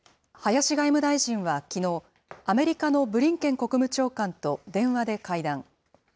林外務大臣はきのう、アメリカのブリンケン国務長官と電話で会談。